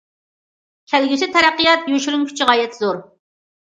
كەلگۈسى تەرەققىيات يوشۇرۇن كۈچى غايەت زور.